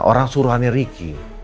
orang suruhannya ricky